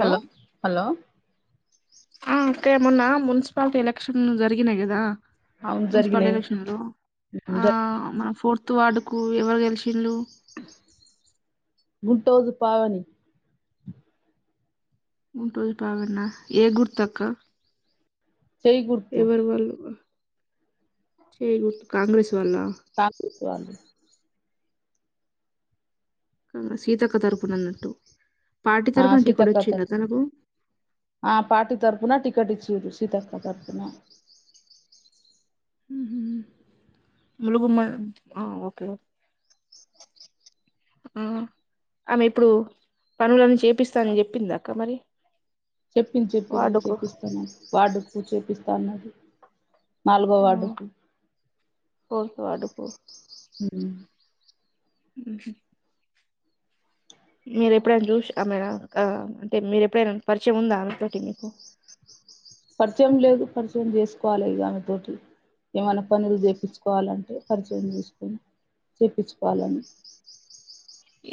Hello hello ఆ అక్క ఏ మొన్న మున్సిపాలిటీ ఎలక్షన్ జరిగినాయి కదా త్ అవును మున్సిపల్ జరిగినాయి ఎలక్షన్లు ఆ జరి- మన ఫోర్త్ త్ వార్డుకు ఎవరు గెలిసిళ్ళు. గుటోజు పావని. గూటోజు పావనినా ఏ గుర్తక్క. చేయి గుర్తు ఎవరి వాళ్ళు. చేయ్ గుర్తు కాంగ్రెస్ వాళ్ళ కాంగ్రెస్ వాళ్ళు కాగా సీతక్క తరపునన్నట్టు ఆ సీతక్క తర్ప్ ఆ పార్టి తరపున టీ కెట్ ఇచ్చిరు సీతక్క తరపున మ్ హు ములుగుమ ఆ ఓకే. [inaudible] ఆ ఆమె ఇప్పుడు పనులన్నీ చేపిస్తానని చెప్పిందాక్క మరి చెప్పింది చెప్పింది వార్డుకు చేపిస్తానని వార్డుకు చేపిస్తా అన్నది. నాలుగో ఆ వార్డుకు ఫోర్త్ వార్డుకు మ్. మ్ హు మీరేప్పుడైనా చూసి ఆమెనా అక్క అంటే మీరేప్పుడైనా పరిచయముందా అమెతోటి మీకు [inaudible] పరిచయం లేదు. పరిచయం చేసుకోవాలిగ ఆమెతోటి ఏమన్నా పనులు చేపిచ్చుకోవాలంటే పరిచయం చేసుకొని చేపిచ్చుకోవాలని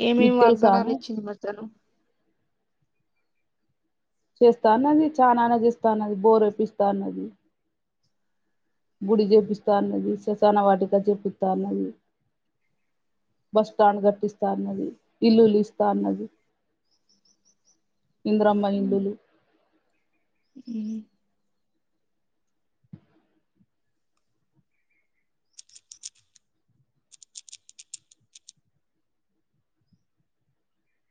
ఏమేమి వాగ్దానాలు ఇచ్చింది మధ్యానం. చేస్తా అన్నది చానానే చేస్తాన్నది బోరేపిస్తా అన్నది. గుడి చేపిస్తా అన్నది. శసాన వాటిక చేపిత్త అన్నది. బస్స్టాండ్ గట్టిస్తాన్నది. ఇల్లు లిస్తాన్నది. ఉ ఇంద్రమ్మ ఇల్లులు. మ్.